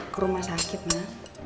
ke rumah sakit na